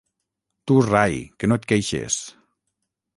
Tu rai, que no et queixes!